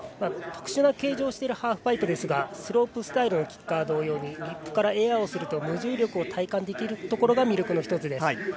特殊な形状をしているハーフパイプですがスロープスタイルのキッカー同様リップからエアをすると無重力を体感できるところが魅力の１つです。